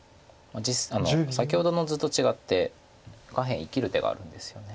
先ほどの図と違って下辺生きる手があるんですよね。